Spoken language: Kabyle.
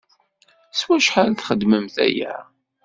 S wacḥal i txeddmemt aya?